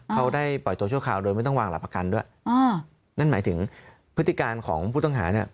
เขาได้ปล่อยตัวชั่วคราวโดยไม่ต้องวางหลักประกันด้วยอ๋อนั่นหมายถึงพฤติการของผู้ต้องหาเนี่ย